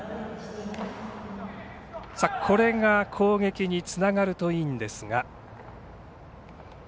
これが攻撃につながるといいんですが。